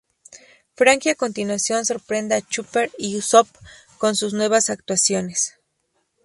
Franky a continuación, sorprende a Chopper y Usopp con sus nuevas actualizaciones.